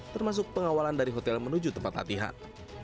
termasuk pengawalan dari hotel menuju tempat latihan